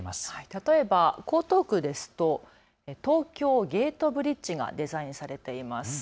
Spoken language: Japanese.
例えば江東区ですと東京ゲートブリッジがデザインされています。